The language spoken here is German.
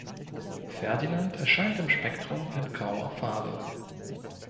Ferdinand erscheint im Spektrum in grauer Farbe.